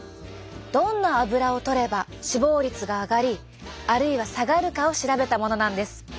どんなアブラをとれば死亡率が上がりあるいは下がるかを調べたものなんです。